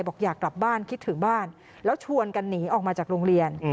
บอกอยากกลับบ้านคิดถึงบ้านแล้วชวนกันหนีออกมาจากโรงเรียน